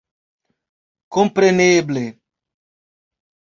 Kompreneble.